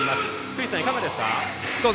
クリスさん、いかがですか。